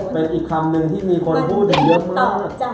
เป็นอีกคำหนึ่งที่มีคนพูดกันเยอะมาก